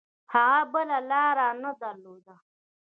هغه بله لاره نه درلوده.